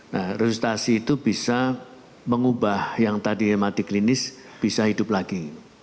nah resultasi itu bisa mengubah yang tadi mati klinis bisa hidup lagi